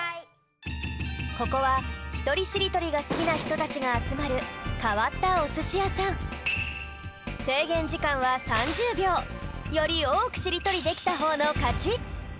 ここはひとりしりとりがすきなひとたちがあつまるかわったおすしやさんよりおおくしりとりできたほうのかち！